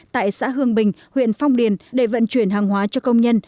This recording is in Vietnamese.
tại xã hương bình huyện phong điền để vận chuyển hàng hóa cho công nhân